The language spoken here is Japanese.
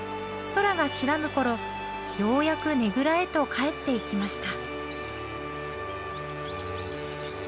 空が白む頃ようやくねぐらへと帰っていきました。